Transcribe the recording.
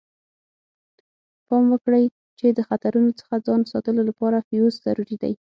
پام وکړئ چې د خطرونو څخه ځان ساتلو لپاره فیوز ضروري دی.